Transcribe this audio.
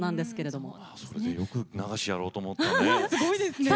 それでよく流しやろうと思ったね。